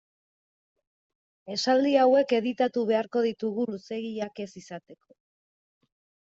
Esaldi hauek editatu beharko ditugu luzeegiak ez izateko.